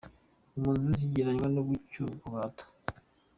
Impunzi zikigereranywa no gucyurwa ku gahato.